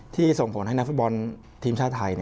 ส่งผลให้นักฟุตบอลทีมชาติไทย